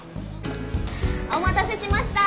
お待たせしました！